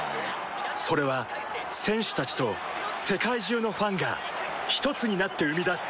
それは選手たちと世界中のファンがひとつになって生み出す